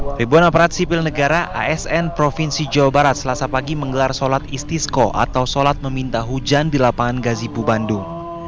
tribun aparat sipil negara asn provinsi jawa barat selasa pagi menggelar solat istiskoh atau solat meminta hujan di lapangan gazipu bandung